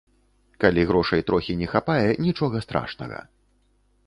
Калі грошай трохі не хапае, нічога страшнага!